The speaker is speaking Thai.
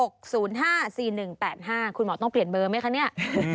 คุณหมอต้องเปลี่ยนเบอร์ไหมคะเนี่ย